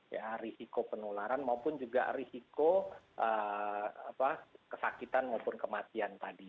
ya risiko penularan maupun juga risiko kesakitan maupun kematian tadi